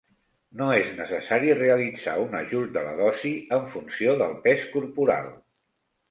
No és necessari realitzar un ajust de la dosi en funció del pes corporal.